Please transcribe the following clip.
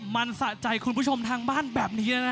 มันสะใจคุณผู้ชมทางบ้านแบบนี้นะ